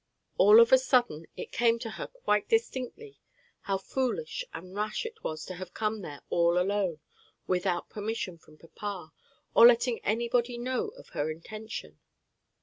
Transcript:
All of a sudden it came to her quite distinctly how foolish and rash it was to have come there all alone, without permission from papa, or letting anybody know of her intention.